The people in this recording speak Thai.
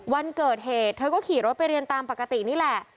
วันเกิดเหตุเธอก็ขี่รถไปเรียนตามปกตินี่แหละ